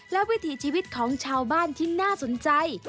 และวิถีชีวิตของชาวบ้านที่น่าสนใจ